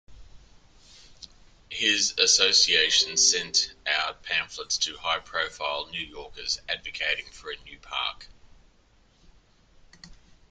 His association sent out pamphlets to high-profile New Yorkers, advocating for a new park.